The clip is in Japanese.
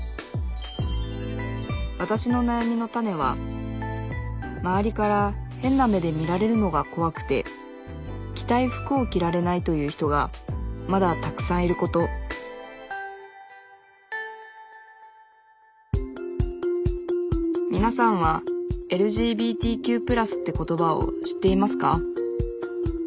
わたしのなやみのタネは周りから変な目で見られるのが怖くて着たい服を着られないという人がまだたくさんいることみなさんは「ＬＧＢＴＱ＋」って言葉を知っていますか？